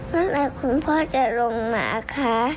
เมื่อไหร่คุณพ่อจะลงมาคะ